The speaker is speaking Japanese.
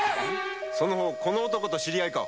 その方この男と知り合いか？